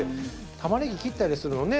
玉ねぎ切ったりするのね